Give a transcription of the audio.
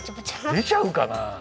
でちゃうかなあ？